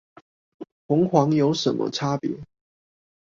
紅黃有什麼差別？